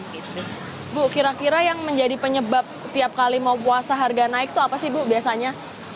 ibu kira kira yang menjadi penyebab tiap kali mau puasa harga naik itu apa sih bu biasanya